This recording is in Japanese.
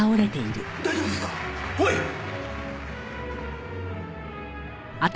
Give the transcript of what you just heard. おい！